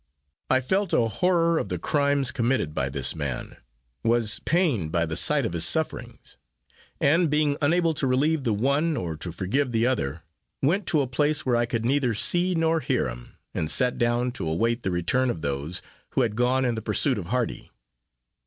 I felt a horror of the crimes committed by this man; was pained by the sight of his sufferings, and being unable to relieve the one, or to forgive the other, went to a place where I could neither see nor hear him, and sat down to await the return of those who had gone in the pursuit of Hardy.